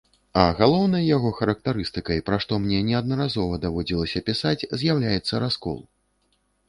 А галоўнай яго характарыстыкай, пра што мне неаднаразова даводзілася пісаць, з'яўляецца раскол.